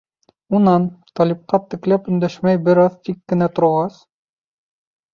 Унан, Талипҡа текләп өндәшмәй бер аҙ тик кенә торғас: